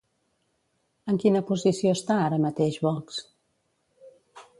En quina posició està ara mateix Vox?